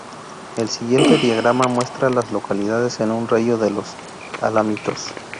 El siguiente diagrama muestra a las localidades en un radio de de Los Alamitos.